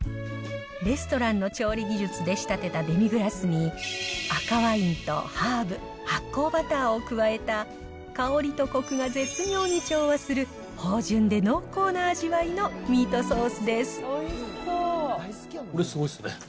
レストランの調理技術で仕立てたデミグラスに、赤ワインとハーブ、発酵バターを加えた、香りとこくが絶妙に調和する芳じゅんで濃厚な味わいのミートソー